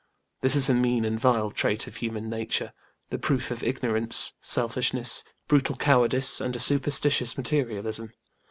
This is a mean and vile trait of human nature, the proof of ignorance, selfishness, brutal cowardice, and a superstitious materialism.